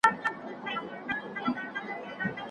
هغه سپینه کوتره تر پېښي وروسته البوته.